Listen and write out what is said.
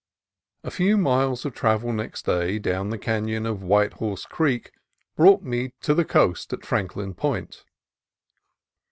A few miles of travel next day down the canon of Whitehouse Creek brought me to the coast at Franklin Point.